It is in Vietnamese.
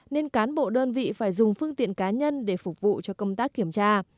nên cán bộ đơn vị phải dùng phương tiện cá nhân để phục vụ cho công tác kiểm tra